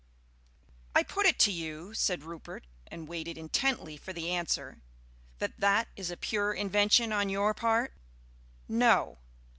"I put it to you," said Rupert, and waited intently for the answer, "that that is a pure invention on your part?" "No."